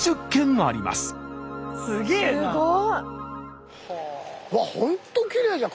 すごい。